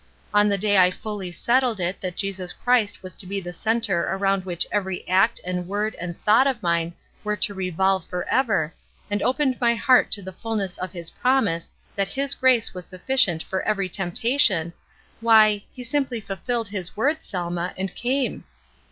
On the day I fully settled it that Jesus Christ was to be the centre around which every act and word and thought of mine were to revolve for ever, and opened my heart to the fulness of His promise that His grace was sufficient for every 318 ESTER RIED'S NAMESAKE temptation, why —He simply fulfilled His word, Selma, and came.